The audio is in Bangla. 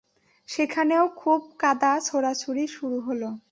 সেখানেও খুব কাদা ছোঁড়াছুঁড়ি শুরু হলো।